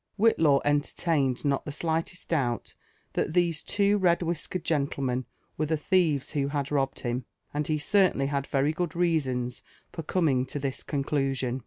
Whillaw entertained not the slightest doubt that these two red whiskered gentlemen were the thieves who had robbed him ; and he certainly had very good reasons for coming to this conclusion.